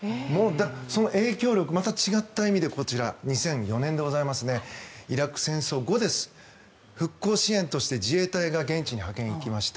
その影響力、また違って意味でこちら、２００４年イラク戦争後復興支援として自衛隊が現地に派遣に行きました。